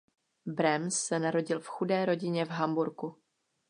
Brahms se narodil v chudé rodině v Hamburku.